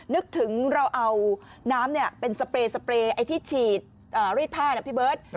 นึกถึงเราเอาน้ำเป็นสเปรย์สเปรย์ไอ้ที่ฉีดรีดผ้านะพี่เบิร์ต